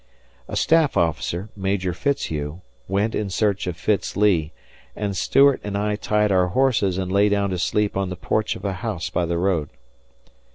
A staff officer, Major Fitzhugh, went in search of Fitz Lee, and Stuart and I tied our horses and lay down to sleep on the porch of a house by the road.